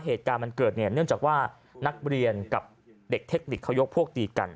เหตุการณ์มันเกิดเนี่ยเนื่องจากว่านักเรียนกับเด็กเทคนิคเขายกพวกตีกัน